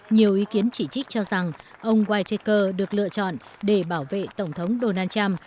nhiều ý kiến chỉ trích cho rằng ông wichter được lựa chọn để bảo vệ tổng thống donald trump